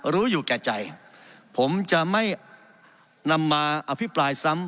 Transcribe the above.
รู้อยู่แก่ใจผมจะไม่นำมาอภิปรายซ้ำ